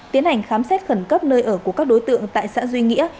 tiến hành khám xét khẩn cấp nơi ở của các đối tượng tại xã duy nghĩa